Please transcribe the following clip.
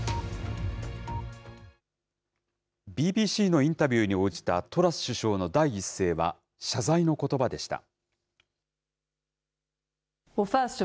ＢＢＣのインタビューに応じたトラス首相の第一声は、謝罪のことばでした。